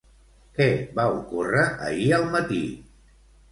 Què va ocórrer ahir al matí?